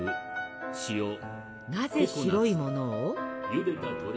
なぜ白いものを？